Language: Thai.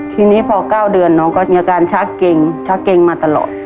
ทีนี้พอ๙เดือนน้องก็มีอาการชักเกงชักเกงมาตลอด